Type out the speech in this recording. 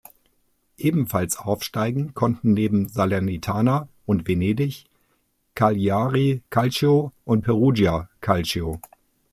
Ebenfalls aufsteigen konnten neben Salernitana und Venedig Cagliari Calcio und Perugia Calcio.